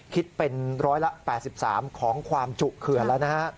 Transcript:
คิดเป็นร้อยละ๘๓ของความจุเขื่อนแล้วนะฮะ